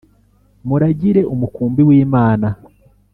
Muragire umukumbi w Imana